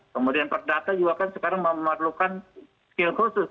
kemudian perdata juga kan sekarang memerlukan skill khusus